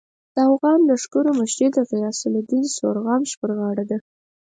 د اوغان لښکرو مشري د غیاث الدین سورغمش پر غاړه ده.